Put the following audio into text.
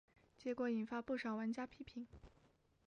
结果引发不少玩家批评。